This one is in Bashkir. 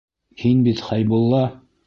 Һин бит Хәйбулла.